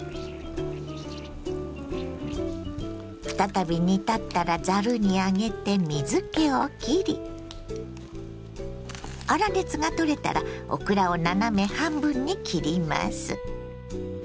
再び煮立ったらざるに上げて水けをきり粗熱が取れたらオクラを斜め半分に切ります。